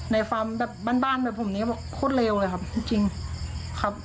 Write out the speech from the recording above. ฟาร์มแบบบ้านบ้านแบบผมนี้บอกโคตรเลวเลยครับจริงครับ